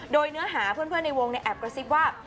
โดยเนื้อหาเพื่อนในวงแอบกระซิบว่า